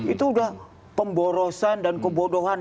itu udah pemborosan dan kebodohan